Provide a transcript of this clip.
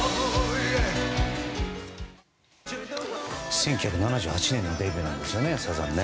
１９７８年のデビューなんですね、サザン。